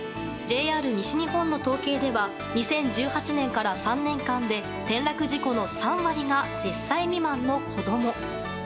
ＪＲ西日本の統計では２０１８年から３年間で転落事故の３割が１０歳未満の子供。